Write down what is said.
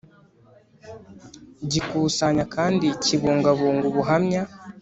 gikusanya kandi kibungabunga ubuhamya